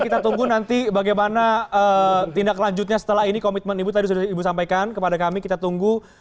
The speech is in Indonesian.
kita tunggu nanti bagaimana tindak lanjutnya setelah ini komitmen ibu tadi sudah ibu sampaikan